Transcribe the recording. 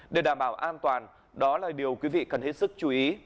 để đảm bảo an toàn đó là điều quý vị cần hết sức chú ý